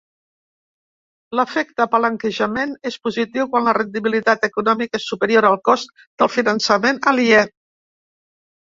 L'efecte palanquejament és positiu quan la rendibilitat econòmica és superior al cost del finançament aliè.